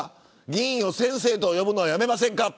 議員を先生と呼ぶのはやめませんか。